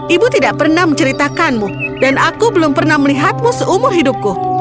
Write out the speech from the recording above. ibu tidak pernah menceritakanmu dan aku belum pernah melihatmu seumur hidupku